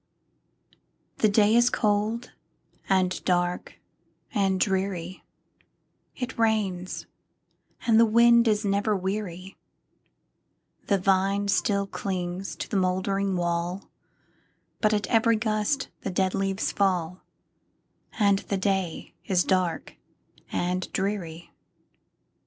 The day is cold, and dark, and dreary; It rains, and the wind is never weary; The vine still clings to the moldering wall, But at every gust the dead leaves fall, And the day is dark and dreary.